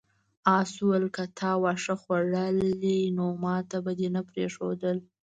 آس وویل که تا واښه خوړلی نو ماته به دې نه پریښودل.